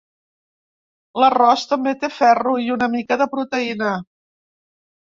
L'arròs també té ferro i una mica de proteïna.